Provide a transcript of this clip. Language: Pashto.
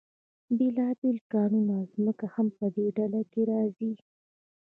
بیلابیل کانونه او ځمکه هم په دې ډله کې راځي.